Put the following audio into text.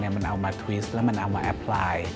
มันเอามาทริสต์แล้วมันเอามาแอปไลน์